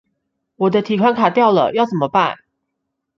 我的提款卡掉了，要怎麼辦?